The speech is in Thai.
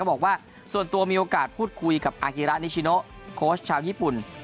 บอกว่าส่วนตัวมีโอกาสพูดคุยกับอากิระนิชิโนโค้ชชาวญี่ปุ่น